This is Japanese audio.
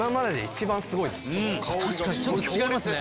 確かにちょっと違いますね。